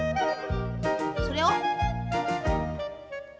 それを。